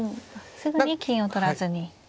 すぐに金を取らずに。